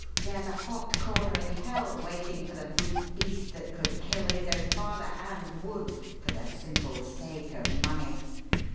There's a hot corner in hell waiting for the brute beast that could kill his own father, and would, for the simple sake of money.